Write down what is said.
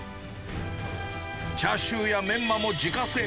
チャーシューやメンマも自家製。